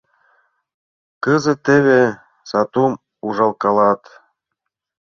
Кызыт теве сатум ужалкалат.